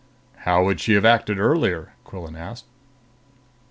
"How would she have acted earlier?" Quillan asked.